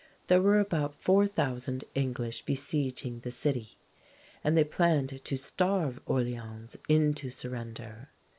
There were about 4,000 English besieging the city, and they planned to starve Orléans into surrender.